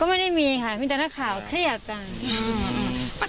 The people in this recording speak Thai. ไม่ได้มีค่ะมีแต่นักข่าวเครียดจัง